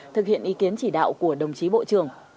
thực hiện ý kiến chỉ đạo của đồng chí bộ trưởng